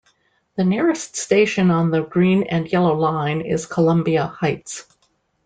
The nearest station on the Green and Yellow Line is Columbia Heights.